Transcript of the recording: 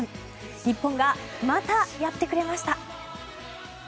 日本がまたやってくれました。